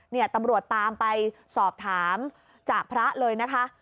เนี่ยตำรวจตามไปสอบถามจากพระเลยนะคะ